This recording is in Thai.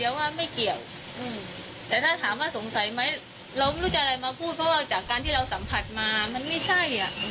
เพราะว่าจากการที่เราสัมผัสมันไม่ใช่